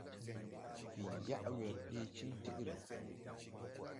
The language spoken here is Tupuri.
Fǐi yaʼ wɛr ɗee ciŋ tigriŋ.